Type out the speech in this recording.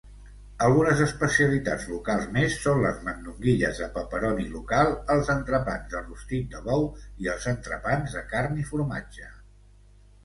Algunes especialitats locals més són les mandonguilles de pepperoni local, els entrepans de rostit de bou i els entrepans de carn i formatge.